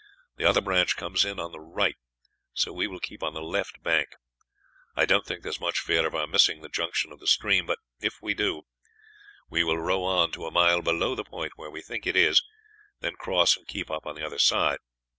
The other branch comes in on the right, so we will keep on the left bank. I don't think there is much fear of our missing the junction of the stream, but if we do, we will row on to a mile below the point where we think it is, then cross and keep up on the other side.